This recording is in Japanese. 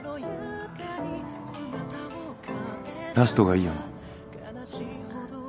ラストがいいよな。